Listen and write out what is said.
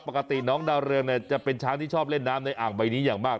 ปกติน้องดาวเรืองจะเป็นช้างที่ชอบเล่นน้ำในอ่างใบนี้อย่างมาก